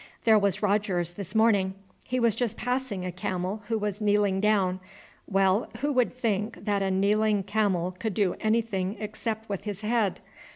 "There was Rogers, this morning, he was just passing a camel who was kneeling down. Well, who would think that a kneeling camel could do anything except with his head.